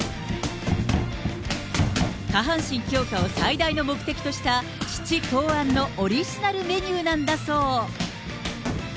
下半身強化を最大の目的とした、父考案のオリジナルメニューなんだそう。